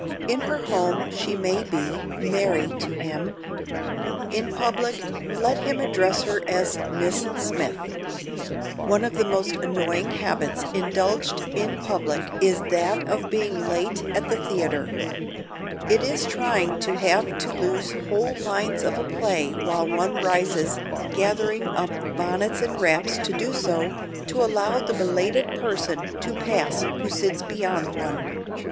In her home she may be "Mary" to him. In public, let him address her as "Miss Smith." One of the most annoying habits indulged in in public is that of being late at the theater. It is trying to have to lose whole lines of a play while one rises, gathering up bonnets and wraps to do so, to allow the belated person to pass who sits beyond one.